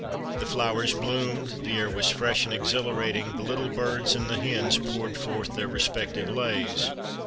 The flowers bloomed, the air was fresh and exhilarating, the little birds and the hens poured forth their respective lays.